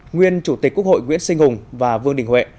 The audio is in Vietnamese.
nguyên chủ tịch quốc hội nguyễn sinh hùng và vương đình huệ